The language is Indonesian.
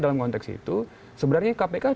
dalam konteks itu sebenarnya kpk